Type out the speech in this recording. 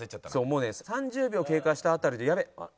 もうね３０秒経過した辺りで「やべっ！